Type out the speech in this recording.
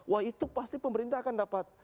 wah itu pasti pemerintah akan dapat